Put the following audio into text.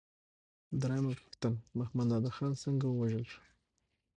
درېمه پوښتنه: محمد نادر خان څنګه ووژل شو؟